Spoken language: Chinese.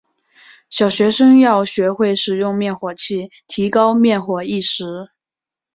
小学生要学会使用灭火器，提高防火意识。